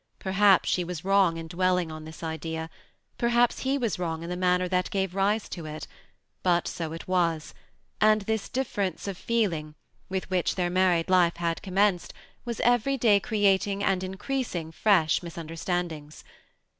Perhaps she was wrong in dwelling on this idea, perhaps he was wrong in the manner that gave rise to it; but so it was, and this difference of feelings with which their married life had commenced, was every day creating and increasing fresh misunder standings.